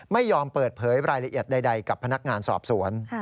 ไม่ยอมเปิดเผยรายละเอียดใดกับพนักงานสอบสวน